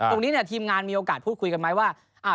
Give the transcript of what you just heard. ทีมงานมีโอกาสพูดคุยกันไหมว่า